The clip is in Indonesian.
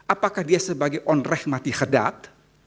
apakah dia sebagai onreh mati khadat